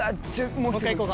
もう１回行こうか。